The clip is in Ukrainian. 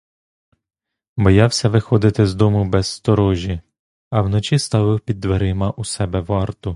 Боявся виходити з дому без сторожі, а вночі ставив під дверима у себе варту.